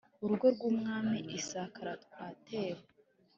urugo rw umwami i Sakara rwatewe